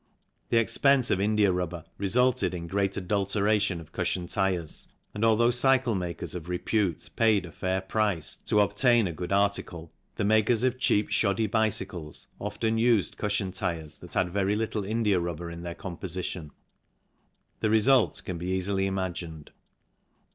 The expense of india rubber resulted in great 52 THE CYCLE INDUSTRY I adulteration of cushion tyres, and although cycle makers of repute paid a fair price to obtain a good article, the makers of cheap shoddy bicycles often used cushion tyres that had very little india rubber in their composi tion. The result can be easily imagined.